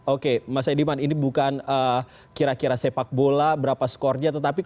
oke mas ediman ini bukan kira kira sepak bola berapa skornya